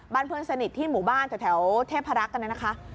เพื่อนสนิทที่หมู่บ้านแถวเทพรักษ์กันนะคะ